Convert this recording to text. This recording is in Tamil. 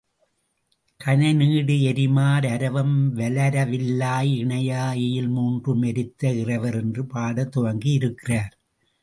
கணை நீடு எரிமார் அரவம் வலரவில்லாய் இணையா எயில் மூன்றும் எரித்த இறைவர் என்று பாடத்துவங்கியிருக்கிறார்.